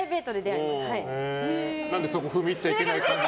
そこ踏み入っちゃいけないの？